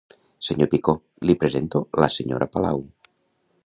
Senyor Picó, li presento la senyora Palau.